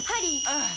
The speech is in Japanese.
ああ！